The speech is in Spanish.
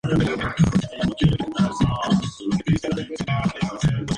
Este centro de compras está actualmente en proceso de expansión.